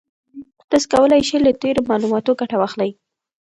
تاسي کولای شئ له تېرو معلوماتو ګټه واخلئ.